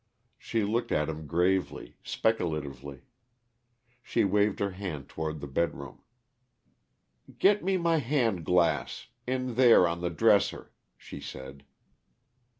She looked at him gravely, speculatively. She waved her hand toward the bedroom. "Get me my hand glass in there on the dresser," she said.